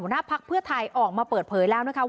หน้าพักเพื่อไทยออกมาเปิดเผยแล้วนะคะว่า